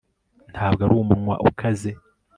Ntabwo ari umunwa ukaze